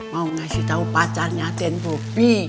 mau ngasih tau pacarnya dan bobi